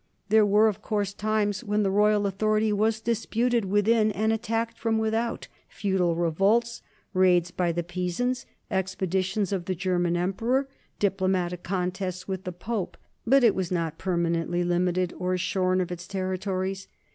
There were of course times when the royal authority was disputed within and attacked from without, feudal revolts, raids by the Pisans, expeditions of the German emperor, diplomatic contests with the Pope, but it was not permanently limited or shorn of its territories.